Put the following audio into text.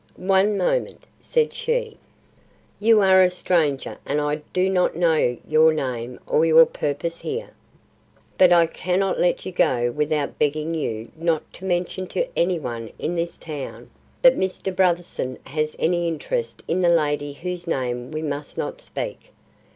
"One moment," said she. "You are a stranger and I do not know your name or your purpose here. But I cannot let you go without begging you not to mention to any one in this town that Mr. Brotherson has any interest in the lady whose name we must not speak.